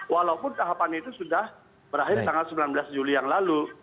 walaupun tahapan itu sudah berakhir tanggal sembilan belas juli yang lalu